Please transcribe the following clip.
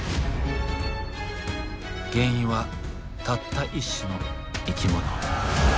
原因はたった一種の生き物。